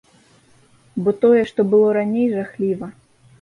Бо тое, што было раней, жахліва.